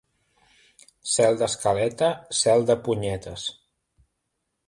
Cel d'escaleta, cel de punyetes.